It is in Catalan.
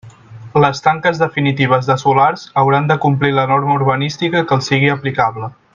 Les tanques definitives de solars hauran de complir la norma urbanística que els sigui aplicable.